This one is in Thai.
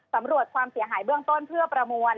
สำรวจความเสียหายเบื้องต้นเพื่อประมวล